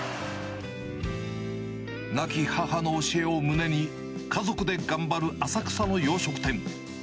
亡き母の教えを胸に、家族で頑張る浅草の洋食店。